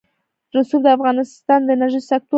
رسوب د افغانستان د انرژۍ سکتور برخه ده.